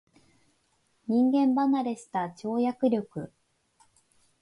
人間離れした跳躍力